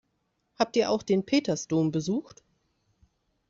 Habt ihr auch den Petersdom besucht?